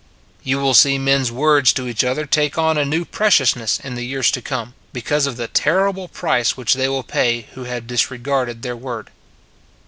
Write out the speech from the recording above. You will see men s word to each other take on a new preciousness in the years to come, because of the terrible price which they will pay who have disregarded their word.